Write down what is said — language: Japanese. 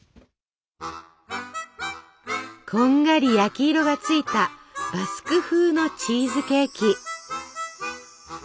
こんがり焼き色がついたバスク風のチーズケーキ。